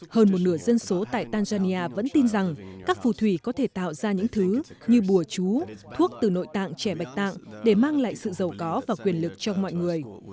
hơn một nửa dân số tại tanzania vẫn tin rằng các phù thủy có thể tạo ra những thứ như bùa chú thuốc từ nội tạng trẻ bạch tạng để mang lại sự giàu có và quyền lực cho mọi người